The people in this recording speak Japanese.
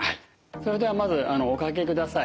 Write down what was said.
それではまずお掛けください。